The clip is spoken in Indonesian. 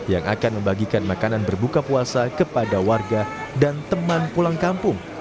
yang akan membagikan makanan berbuka puasa kepada warga dan teman pulang kampung